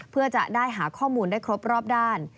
เพื่อจะได้หาข้อมูลได้ครบรอบด้าน